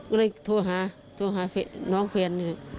ก็เลยโทรหาโทรหาน้องแฟนนี่